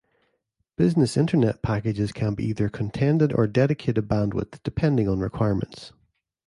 Business internet packages can be either contended or dedicated bandwidth depending on requirements.